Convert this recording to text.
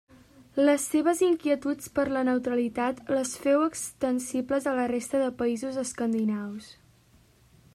Les seves inquietuds per la neutralitat, les féu extensibles a la resta de països escandinaus.